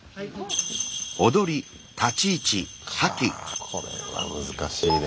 あこれは難しいね。